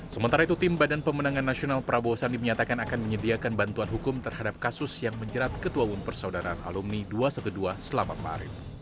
sementara itu tim badan pemenangan nasional prabowo sandi menyatakan akan menyediakan bantuan hukum terhadap kasus yang menjerat ketua umum persaudaraan alumni dua ratus dua belas selamat marif ⁇